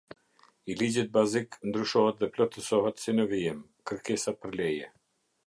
I ligjit bazik, ndryshohet dhe plotësohet, si në vijim: Kërkesa për Leje.